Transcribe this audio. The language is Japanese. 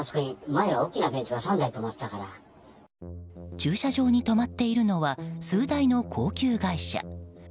駐車場に止まっているのは数台の高級外車。